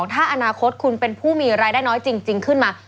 ถ้าอนาคตคุณเป็นผู้มีรายได้น้อยจริงขึ้นมา